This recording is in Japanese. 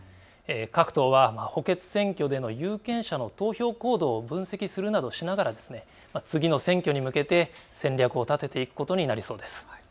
各党は補欠選挙での有権者の投票行動を分析するなどしながら次の選挙に向けて戦略を立てていくことになりそうです。